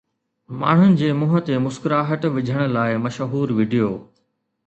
ماڻهن جي منهن تي مسڪراهٽ وجهڻ لاءِ مشهور وڊيو